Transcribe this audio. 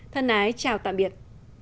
thân ái chào tạm biệt